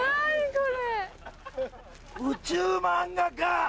これ。